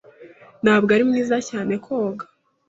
ntabwo ari mwiza cyane koga.